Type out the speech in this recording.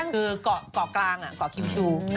คือเกาะกลางเกาะคิวชู